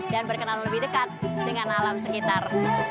dan berkenalan lebih dekat dengan alam sekitar